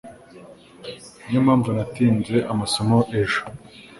Niyo mpamvu natinze amasomo ejo.